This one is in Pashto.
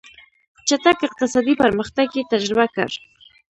چټک اقتصادي پرمختګ یې تجربه کړ.